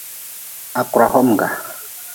Ha kura homga.